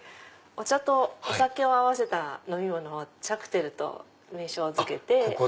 お茶とお酒を合わせた飲み物を茶クテルと名称付けて。